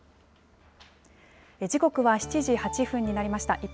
時刻は７時８分になりました。